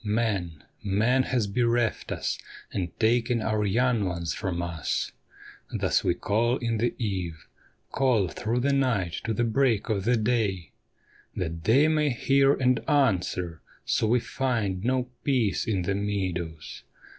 *■ Man, man has bereft us and taken our young ones from us ; Thus we call in the eve, call through night to the break of day, That they may hear and answer ; so we find no peace in the meadows.